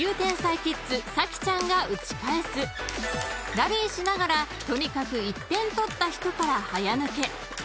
［ラリーしながらとにかく１点取った人から早抜け］